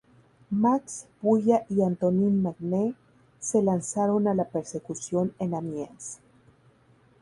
Max Bulla y Antonin Magne se lanzaron a la persecución en Amiens.